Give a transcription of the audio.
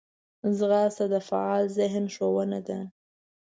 ځغاسته د فعال ذهن ښوونه ده